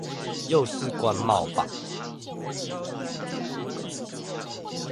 又是關貿吧